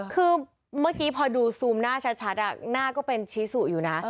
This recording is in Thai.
คือเมื่อกี้พอดูซูมหน้าชัดหน้าก็เป็นชี้สุอยู่นะ